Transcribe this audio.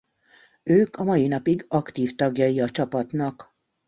Ők a mai napig aktív tagjai a csapatnak.